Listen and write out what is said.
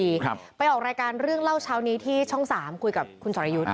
เพียงจะออกรายการเรื่องเล่าเช้านี้ที่ช่อง๓คุยกับคุณศอลยุทธ์